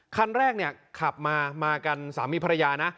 คันแรกเนี่ยขับมามากันสามีภรรยานะ